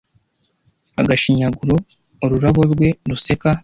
agashinyaguro ururabo rwe ruseka